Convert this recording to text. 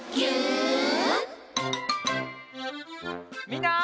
みんな。